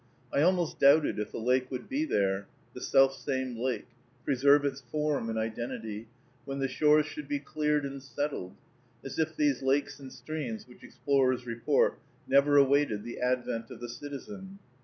I almost doubted if the lake would be there, the self same lake, preserve its form and identity, when the shores should be cleared and settled; as if these lakes and streams which explorers report never awaited the advent of the citizen.